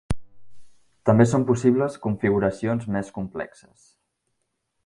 També són possibles configuracions més complexes.